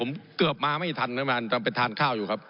ผมอภิปรายเรื่องการขยายสมภาษณ์รถไฟฟ้าสายสีเขียวนะครับ